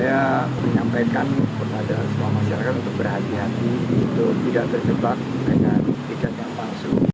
saya menyampaikan kepada semua masyarakat untuk berhati hati untuk tidak terjebak dengan tiket yang palsu